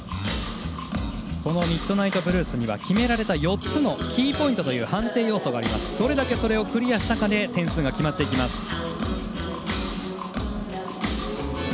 ミッドナイトブルースには決められた４つのキーポイントという判定要素がありどれだけクリアしたかで点数が決まっていきます。